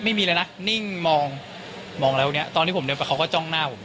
ไม่มีเลยนะนิ่งมองมองแล้วเนี่ยตอนที่ผมเดินไปเขาก็จ้องหน้าผม